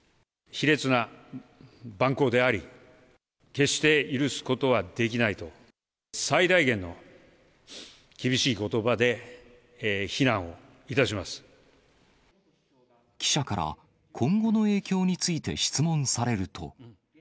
卑劣な蛮行であり、決して許すことはできないと、最大限の厳しいことばで非難をい記者から、今後の影響について質問されると。